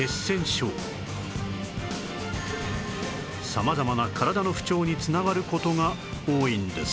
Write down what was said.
様々な体の不調に繋がる事が多いんです